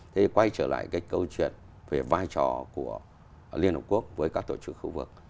thì quay trở lại cái câu chuyện về vai trò của liên hợp quốc với các tổ chức khu vực